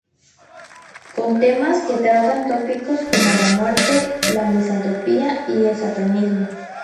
Con temas que tratan tópicos como la muerte, la misantropía y el satanismo.